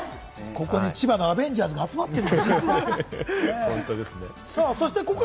ここに千葉のアベンジャーズが集まっている。